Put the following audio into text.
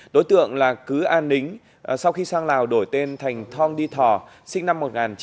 đối tượng là cứ an nính sau khi sang lào đổi tên thành thong di thò sinh năm một nghìn chín trăm tám mươi